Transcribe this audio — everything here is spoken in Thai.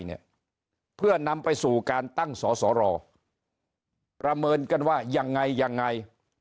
เนี่ยเพื่อนำไปสู่การตั้งสอสอรอประเมินกันว่ายังไงยังไง